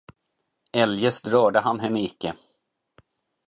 Eljest rörde han henne icke.